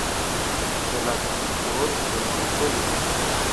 Gǝlak bii ɓo kon gi puli.